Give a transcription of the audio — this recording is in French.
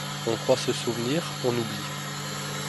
On croit se souvenir, on oublie